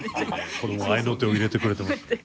子供が合いの手を入れてくれてます。